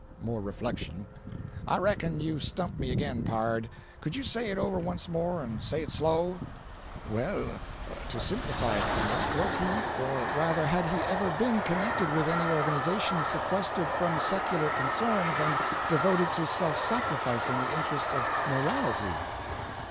More reflection. "I reckon you've stumped me again, pard. Could you say it over once more, and say it slow?" "Well, to simplify it somewhat, was he, or rather had he ever been connected with any organization sequestered from secular concerns and devoted to self sacrifice in the interests of morality?"